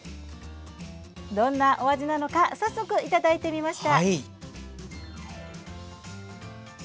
どんなお味なのか早速いただいてみました。